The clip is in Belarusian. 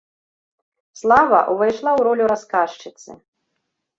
Слава ўвайшла ў ролю расказчыцы.